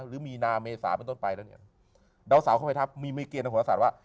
หรือมีณเมสาไปแล้วหนึ่งเดาสาวมีเกณฑ์กับหัวสารว่า